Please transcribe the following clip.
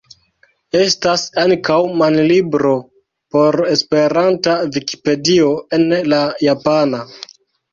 Estas ankaŭ manlibro por Esperanta Vikipedio en la japana.